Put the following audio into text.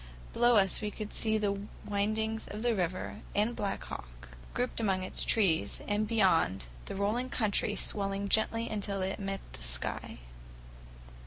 Below us we could see the windings of the river, and Black Hawk, grouped among its trees, and, beyond, the rolling country, swelling gently until it met the sky.